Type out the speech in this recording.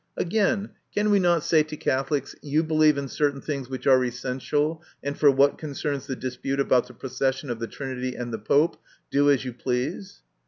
Again, can we not say to Catholics, " You believe in certain things which are essential, and for what concerns the dispute about the procession of the Trinity and the Pope, do as you please?"